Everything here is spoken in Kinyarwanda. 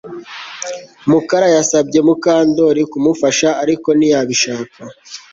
Mukara yasabye Mukandoli kumufasha ariko ntiyabishaka